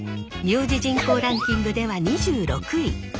名字人口ランキングでは２６位。